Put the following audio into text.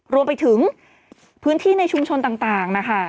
รวมไปถึงพื้นที่ในชุมชนต่างนะคะ